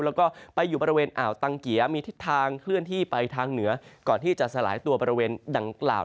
แล้วก็ไปอยู่บริเวณอ่าวตังเกียมีทิศทางเคลื่อนที่ไปทางเหนือก่อนที่จะสลายตัวบริเวณดังกล่าว